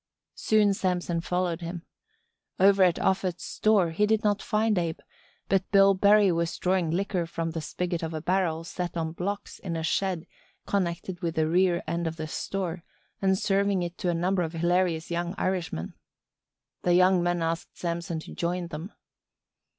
Soon Samson followed him. Over at Offut's store he did not find Abe, but Bill Berry was drawing liquor from the spigot of a barrel set on blocks in a shed connected with the rear end of the store and serving it to a number of hilarious young Irishmen. The young men asked Samson to join them.